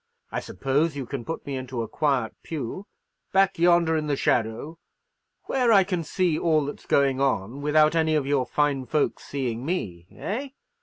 I suppose you can put me into a quiet pew, back yonder in the shadow, where I can see all that's going on, without any of your fine folks seeing me, eh?"